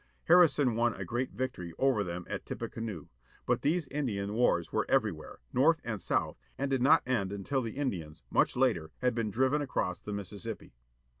Harrison won a great victory over them at Tippecanoe. But these Indian wars were everywhere, North and South, and did not end until the Indians, much later, had been driven across the Mississippi.